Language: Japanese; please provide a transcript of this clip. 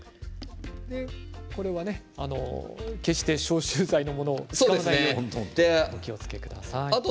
決して消臭剤のものを使わないようにお気をつけください。